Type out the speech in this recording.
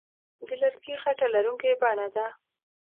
د لرګي خټه لرونکې بڼه ده.